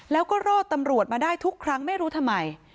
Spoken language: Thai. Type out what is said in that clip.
แล้วก็รอดตำรวจมาได้ทุกครั้งไม่รู้ทำไม